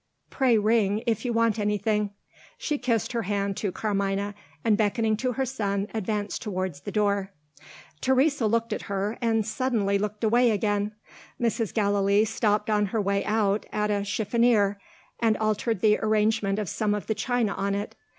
Pray ring, if you want anything." She kissed her hand to Carmina, and, beckoning to her son, advanced towards the door. Teresa looked at her, and suddenly looked away again. Mrs. Gallilee stopped on her way out, at a chiffonier, and altered the arrangement of some of the china on it.